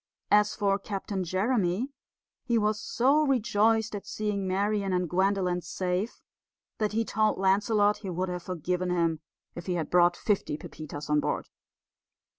As for Captain Jeremy, he was so rejoiced at seeing Marian and Gwendolen safe that he told Lancelot he would have forgiven him if he had brought fifty Pepitas on board.